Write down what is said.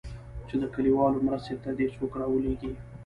چې د كليوالو مرستې ته دې څوك راولېږي.